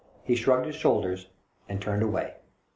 He shrugged his shoulders and turned away.